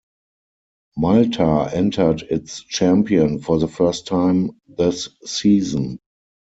Malta entered its champion for the first time this season.